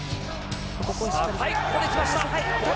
ここで来ました。